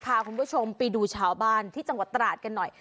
พาคุณผู้ชมไปดูชาวบ้านที่จังหวัดตราดกันหน่อย